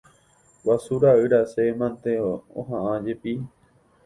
Guasu ra'y rasẽ mante oha'ãjepi.